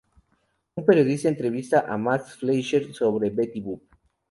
Un periodista entrevista a Max Fleischer sobre Betty Boop.